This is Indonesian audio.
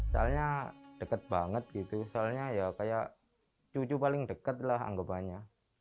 soalnya deket banget gitu soalnya ya kayak cucu paling dekat lah anggapannya